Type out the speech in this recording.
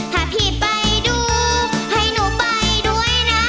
ถ้าพี่ไปดูให้หนูไปด้วยนะ